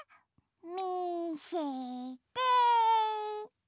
みせて！